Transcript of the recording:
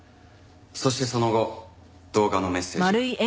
そしてその後動画のメッセージが。